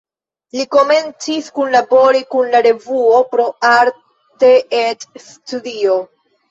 Li komencis kunlabori kun la revuo "Pro arte et studio".